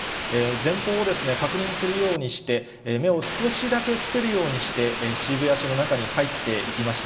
前方を確認するようにして、目を少しだけ伏せるようにして、渋谷署の中に入っていきました。